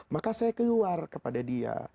maka saya keluar kepada dia